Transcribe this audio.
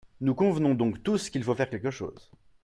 Nous convenons donc tous qu’il faut faire quelque chose.